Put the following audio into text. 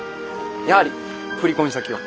やはり振込先を。